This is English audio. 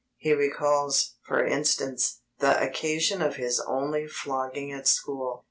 He recalls, for instance, the occasion of his only flogging at school.